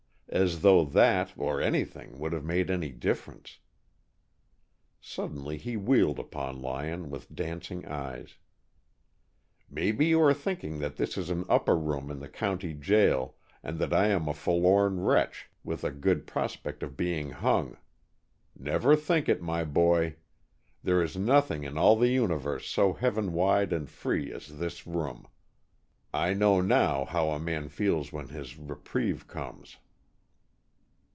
As though that or anything would have made any difference!" Suddenly he wheeled upon Lyon, with dancing eyes. "Maybe you are thinking that this is an upper room in the county jail, and that I am a forlorn wretch with a good prospect of being hung! Never think it, my boy! There is nothing in all the universe so heaven wide and free as this room. I know now how a man feels when his reprieve comes."